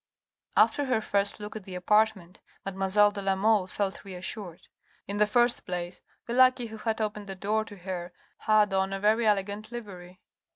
After her first look at the apartment, mademoiselle de la Mole felt reassured. In the first place, the lackey who had opened the door to her had on a very elegant livery.